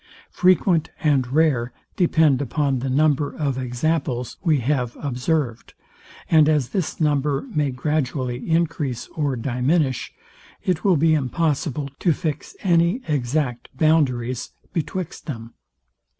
Frequent and rare depend upon the number of examples we have observed; and as this number may gradually encrease or diminish, it will be impossible to fix any exact boundaries betwixt them.